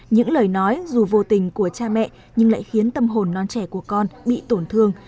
những lời nói dù vô tình của cha mẹ nhưng lại khiến tâm hồn non trẻ của con bị tổn thương